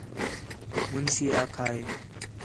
مُنشی آکھا ہِے